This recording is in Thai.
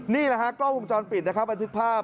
นี่แหละฮะกล้องวงจรปิดนะครับบันทึกภาพ